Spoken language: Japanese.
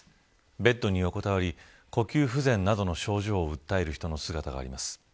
ベッドに横たわり呼吸不全などの症状を訴える￥人の姿があります。